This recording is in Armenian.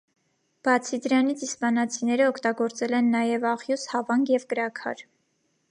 Բացի դրանից իսպանացիները օգտագործել են նաև աղյուս, հավանգ և կրաքար։